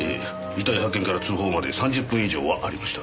遺体発見から通報まで３０分以上はありました。